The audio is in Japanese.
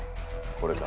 これか？